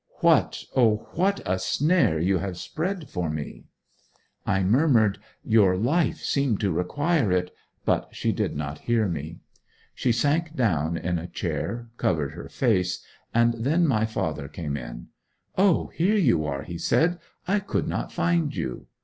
What, O what a snare you have spread for me!' I murmured, 'Your life seemed to require it,' but she did not hear me. She sank down in a chair, covered her face, and then my father came in. 'O, here you are!' he said. 'I could not find you.